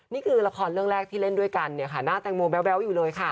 นี่คือละครเรื่องแรกที่เล่นด้วยกันเนี่ยค่ะหน้าแตงโมแบ๊วอยู่เลยค่ะ